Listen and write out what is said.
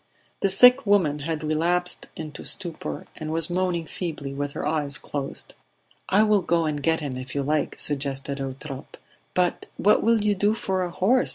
The sick woman had relapsed into stupor, and was moaning feebly with her eyes closed. "I will go and get him if you like," suggested Eutrope. "But what will you do for a horse?"